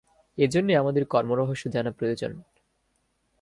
এই জন্যই আমাদের কর্মরহস্য জানা প্রয়োজন।